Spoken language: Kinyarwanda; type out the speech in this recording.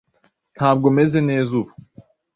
Ntabwo meze neza ubu